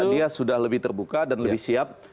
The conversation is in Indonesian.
dia sudah lebih terbuka dan lebih siap